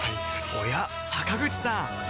おや坂口さん